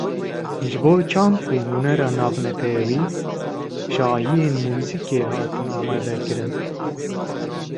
Ji Bo Çand û Hunera Navnetewî, şahiyên muzîkê hatin amade kirin